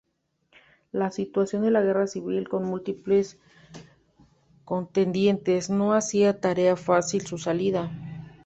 La situación de guerra civil con múltiples contendientes no hacía tarea fácil su salida.